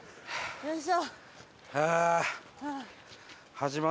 よいしょ。